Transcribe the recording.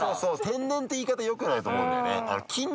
天然って言い方良くないと思うんだよね。